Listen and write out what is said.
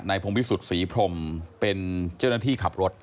นายพงภิกษุศรีพรมเป็นเจ้าหน้าที่ขับรถ